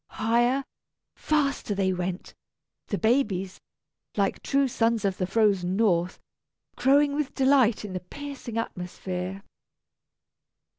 Higher, faster they went; the babies, like true sons of the frozen North, crowing with delight in the piercing atmosphere.